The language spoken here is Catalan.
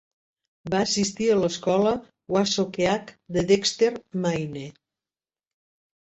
Va assistir a l'escola Wassookeag de Dexter, Maine.